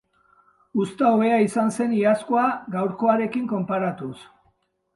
Uzta hobea izan zen iazkoa gaurkoarekin konparatuz.